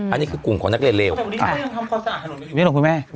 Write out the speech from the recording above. อันนี้คือกลุ่มของนักเรียนเลว